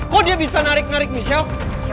kok dia bisa narik narik michelle